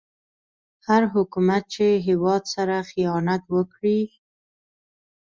هر حکومت چې هيواد سره خيانت وکړي